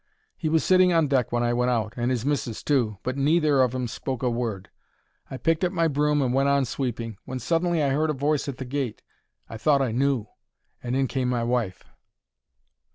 He was sitting on deck when I went out, and his missis too, but neither of 'em spoke a word. I picked up my broom and went on sweeping, when suddenly I 'eard a voice at the gate I thought I knew, and in came my wife.